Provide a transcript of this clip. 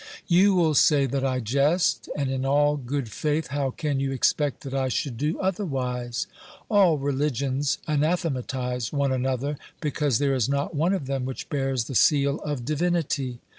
You will say that I jest, and in all good faith how can you expect that I should do otherwise ? All religions anathematise one another, because there is not one of them which bears the seal of divinity.